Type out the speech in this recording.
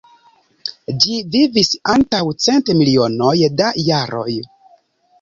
Ĝi vivis antaŭ cent milionoj da jaroj.